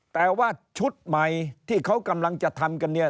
แต่ว่าชุดใหม่ที่เขากำลังจะทำกันเนี่ย